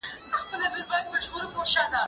زه مېوې نه راټولوم